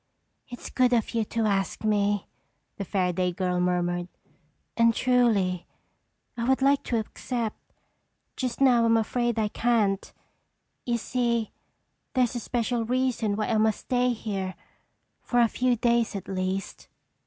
"It's good of you to ask me," the Fairaday girl murmured, "and truly, I would like to accept. Just now I'm afraid I can't. You see, there's a special reason why I must stay here—for a few days at least."